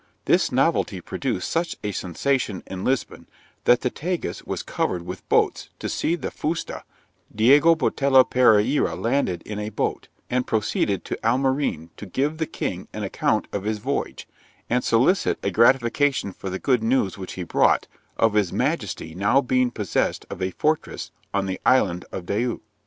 This novelty produced such a sensation in Lisbon that the Tagus was covered with boats to see the fusta Diogo Botelho Perreira landed in a boat, and proceeded to Almeyrin, to give the king an account of his voyage, and solicit a gratification for the good news which he brought, of his Majesty now being possessed of a fortress on the island of Diu.